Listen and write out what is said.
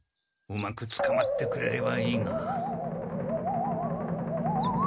うまくつかまってくれればいいが。